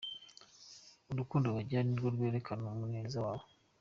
Urukundo bagira nirwo rwerekana umuneza wabo.